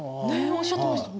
おっしゃってましたね。